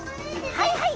はいはい！